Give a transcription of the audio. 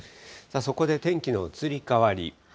そこで天気の移り変わり。